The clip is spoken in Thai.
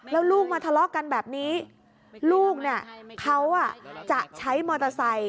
แล้วลูกมาทะเลาะกันแบบนี้ลูกเนี่ยเขาจะใช้มอเตอร์ไซค์